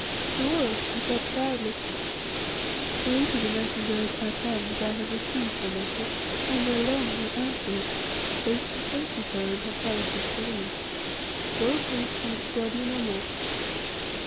To Oros she said proudly "Say to the messenger of Atene that I have received her message, and ere long will answer it, face to face with her in her palace of Kaloon. Go, priest, and disturb me no more."